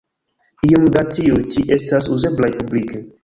Iom da tiuj ĉi estas uzeblaj publike.